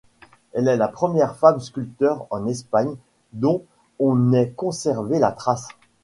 Elle est la première femme sculpteur en Espagne dont on ait conservé la trace.